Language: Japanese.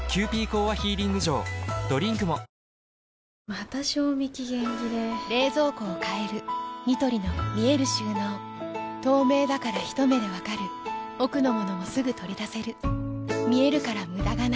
また賞味期限切れ冷蔵庫を変えるニトリの見える収納透明だからひと目で分かる奥の物もすぐ取り出せる見えるから無駄がないよし。